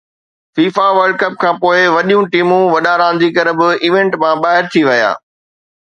FIFA world cup کانپوءِ وڏيون ٽيمون، وڏا رانديگر به ايونٽ مان ٻاهر ٿي ويا